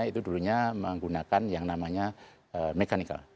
itu dulunya menggunakan yang namanya mechanical